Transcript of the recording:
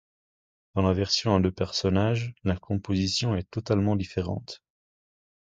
Dans la version à deux personnages, la composition est totalement différente.